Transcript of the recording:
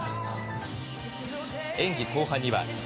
演技後半には。